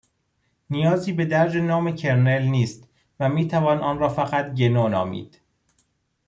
نیازی به درج نام کرنل نیست و میتوان آن را فقط «گنو» نامید